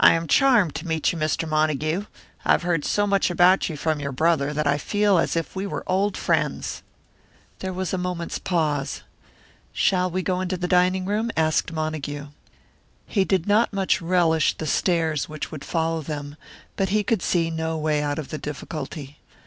"I am charmed to meet you. Mr. Montague, I have heard so much about you from your brother that I feel as if we were old friends." There was a moment's pause. "Shall we go into the dining room?" asked Montague. He did not much relish the stares which would follow them, but he could see no way out of the difficulty.